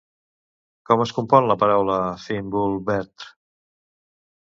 Com es compon la paraula Fimbulvetr?